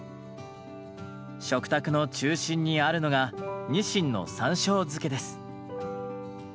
食卓の中心にあるのが「にしんの山しょう漬け」です。